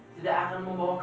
tidak akan membawa kebaikan